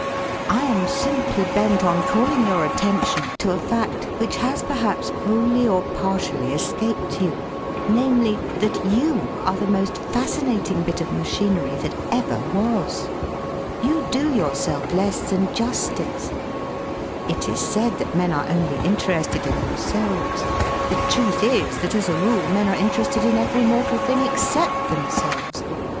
I am simply bent on calling your attention to a fact which has perhaps wholly or partially escaped you namely, that you are the most fascinating bit of machinery that ever was. You do yourself less than justice. It is said that men are only interested in themselves. The truth is that, as a rule, men are interested in every mortal thing except themselves.